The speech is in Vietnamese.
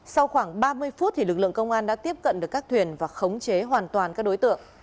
sau khoảng ba mươi phút lực lượng công an đã tiếp cận được các thuyền và khống chế hoàn toàn các đối tượng